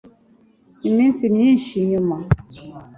Iminsi myinshi nyuma